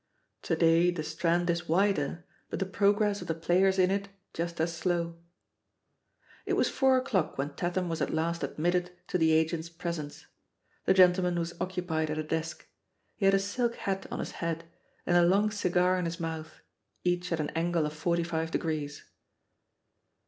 To day the Strand is wider, but the progress of the players in it just as slow* It was four o^clock when Tatham was at last admitted to the agent's presence. The gentle man was occupied at a desk. He had a silk hat on his head, and a long cigar in his mouth, each at an angle of forty five degrees.